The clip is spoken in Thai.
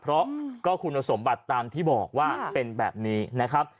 เพราะก็คุณสมบัติตามที่บอกว่าเป็นแบบนี้นะครับ